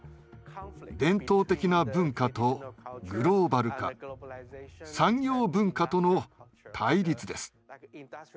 伝統的な文化とグローバル化産業文化との対立です。